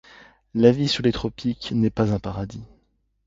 La vie sous les tropiques n'est pas un paradis.